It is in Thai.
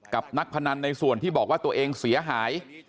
นักพนันในส่วนที่บอกว่าตัวเองเสียหาย